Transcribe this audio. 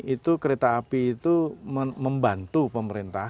itu kereta api itu membantu pemerintah